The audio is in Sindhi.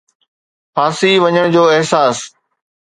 ڦاسي وڃڻ جو احساس